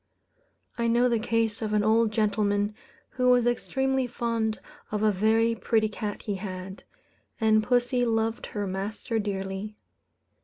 I know the case of an old gentleman, who was extremely fond of a very pretty cat he had; and pussy loved her master dearly.